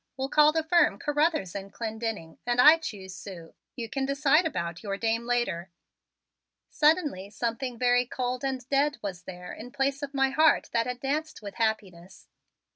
We'll call the firm Carruthers and Clendenning and I choose Sue. You can decide about your dame later." Suddenly something very cold and dead was there in place of my heart that had danced with happiness.